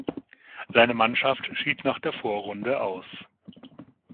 Seine Mannschaft schied nach der Vorrunde aus.